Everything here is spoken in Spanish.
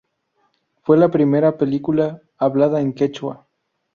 Fue la primera película hablada en quechua.